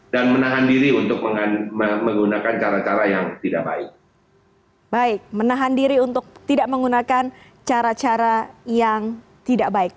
dan menahan diri untuk menggunakan cara cara yang tidak baik